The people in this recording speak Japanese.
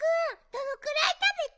どのくらいたべた？